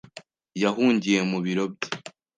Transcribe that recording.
yahugiye mu biro bye.